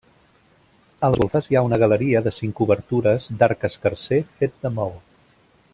A les golfes hi ha una galeria de cinc obertures d'arc escarser fet de maó.